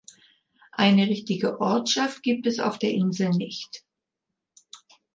Eine richtige Ortschaft gibt es auf der Insel nicht.